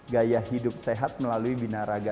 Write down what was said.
gaya hidup sehat melalui binaraga